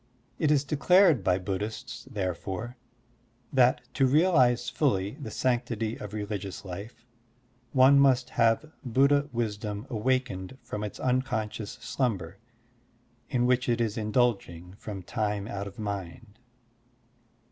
It is declare by Buddhists, therefore, that to realize ftilly the sanctity of religious life one must have Buddha wisdom awakened from its unconscious sltmiber in which it is indulging from time out of mind.